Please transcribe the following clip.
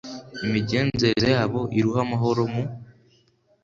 imigenzereze yabo, iruhe amahoro mu